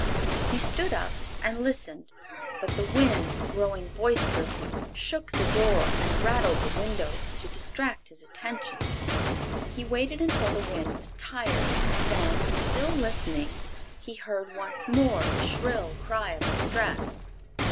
He stood up and listened, but the wind, growing boisterous, shook the door and rattled the windows to distract his attention. He waited until the wind was tired and then, still listening, he heard once more the shrill cry of distress.